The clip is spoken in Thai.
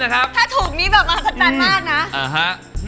ถ้าถูกนี้แบบประตัดมากนะ